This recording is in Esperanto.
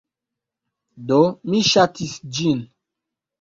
Do, mi ŝatis ĝin.